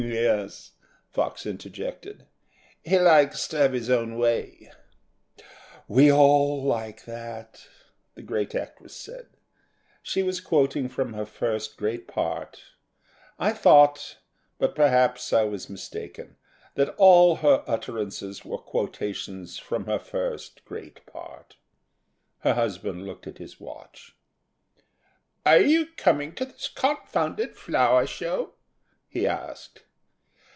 "H'm; yes," Fox interjected, "he likes to have his own way." "We all like that," the great actress said. She was quoting from her first great part. I thought but, perhaps, I was mistaken that all her utterances were quotations from her first great part. Her husband looked at his watch. "Are you coming to this confounded flower show?" he asked.